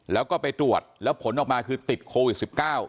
แล้วก็ไปตรวจแล้วผลออกมาคือติดโควิด๑๙